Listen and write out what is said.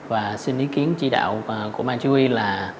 và xin ý kiến chỉ đạo của bang chỉ huy là